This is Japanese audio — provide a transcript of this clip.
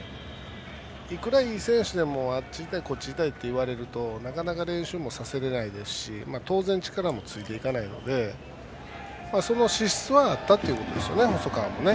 いくら、いい選手でもあっちいったりこっちいったりいわれるとなかなか練習もさせれないですし当然、力もついていかないのでその資質はあったということです